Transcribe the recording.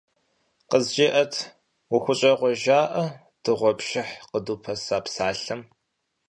КъызжеӀэт, ухущӀегъуэжакъэ дыгъуэпшыхь къыдупэса псалъэм?